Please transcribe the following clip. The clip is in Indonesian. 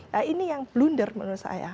nah ini yang blunder menurut saya